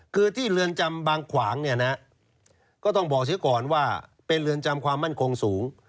คือที่เรือนจำบางขวางเนี่ยนะก็ต้องบอกเสียก่อนว่าเป็นเรือนจำความมั่นคงสูง